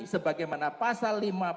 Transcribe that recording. sebagaimana pasal lima puluh